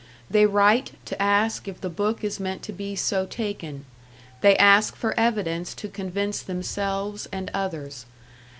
They write to ask if the book is meant to be so taken; they ask for evidence to convince themselves and others.